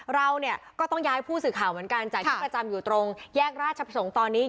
เราเนี่ยก็ต้องย้ายผู้สื่อข่าวเหมือนกันจากที่ประจำอยู่ตรงแยกราชประสงค์ตอนนี้